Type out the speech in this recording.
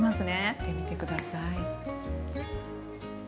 食べてみて下さい。